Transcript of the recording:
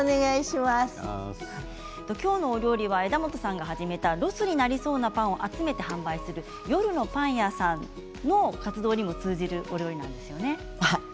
今日のお料理は枝元さんが始めたロスになりそうなパンを集めて販売する夜のパン屋さんの活動にも通じるお料理なんですよね。